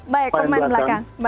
baik pemain belakang